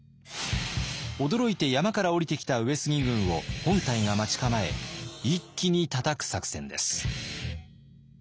驚いて山から下りてきた上杉軍を本隊が待ち構え一気に叩く作戦です。